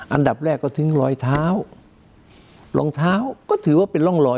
อันดับแรกก็ทิ้งรอยเท้ารองเท้าก็ถือว่าเป็นร่องรอย